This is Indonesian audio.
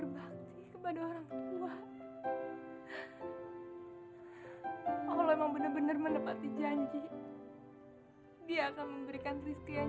bakti kepada orang tua allah memang benar benar mendepati janji dia akan memberikan tristi yang